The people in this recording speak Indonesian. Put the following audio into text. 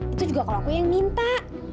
itu juga kalau aku yang minta